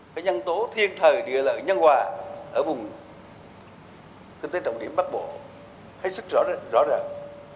cái nhân tố thiên thời địa lợi nhân hòa ở vùng kinh tế trọng điểm bắc bộ hết sức rõ ràng